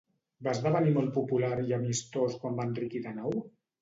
Va esdevenir molt popular i amistós quan va enriquir de nou?